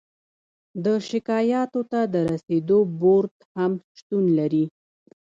د شکایاتو ته د رسیدو بورد هم شتون لري.